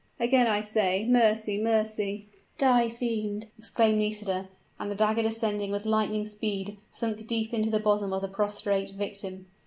"Again I say mercy mercy!" "Die, fiend!" exclaimed Nisida; and the dagger, descending with lightning speed, sunk deep into the bosom of the prostrate victim.